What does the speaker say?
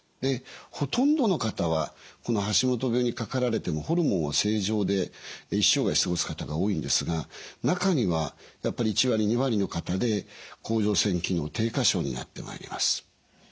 ほとんどの方はこの橋本病にかかられてもホルモンは正常で一生涯過ごす方が多いんですが中にはやっぱり１割２割の方で甲状腺機能低下症になってまいります。